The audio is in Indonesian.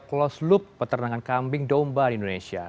closed loop peternakan kambing domba di indonesia